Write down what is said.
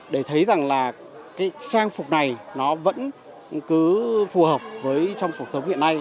để thấy rằng là cái trang phục này nó vẫn cứ phù hợp với trong cuộc sống hiện nay